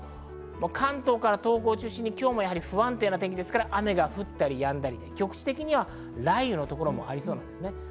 関東から東北を中心に今日も不安定な天気で雨が降ったりやんだり局地的には雷雨のところもありそうです。